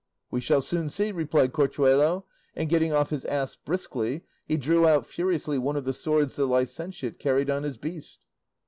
"We shall soon see," replied Corchuelo, and getting off his ass briskly, he drew out furiously one of the swords the licentiate carried on his beast.